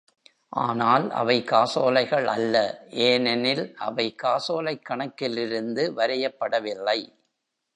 ஆனால் அவை காசோலைகள் அல்ல, ஏனெனில் அவை காசோலைக் கணக்கிலிருந்து வரையப்படவில்லை.